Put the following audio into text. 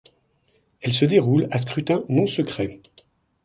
Elles se déroulent à scrutin non secret.